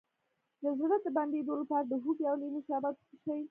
د زړه د بندیدو لپاره د هوږې او لیمو شربت وڅښئ